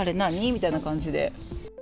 みたいな感じで。